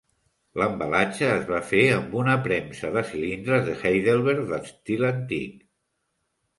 L'embalatge es va fer amb una premsa de cilindres de Heidelberg d'estil antic.